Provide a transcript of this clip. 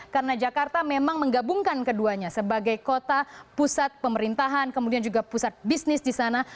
karena jakarta memang menggabungkan keduanya sebagai kota pusat pemerintahan kemudian juga pusat bisnis di sana